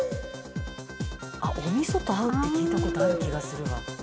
「あっお味噌と合うって聞いた事ある気がするわ」